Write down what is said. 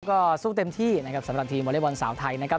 ก็สู้เต็มที่นะครับสำหรับทีมวอเล็กบอลสาวไทยนะครับ